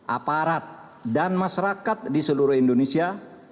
aparat dan masyarakat di seluruh indonesia